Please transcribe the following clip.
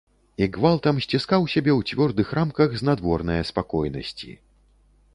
І гвалтам сціскаў сябе ў цвёрдых рамках знадворнае спакойнасці.